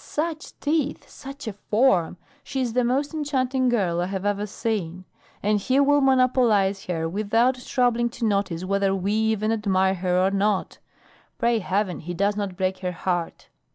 Such teeth! Such a form! She is the most enchanting girl I have ever seen. And he will monopolize her without troubling to notice whether we even admire her or not. Pray heaven he does not break her heart."